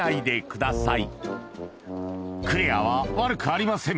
クレアは悪くありません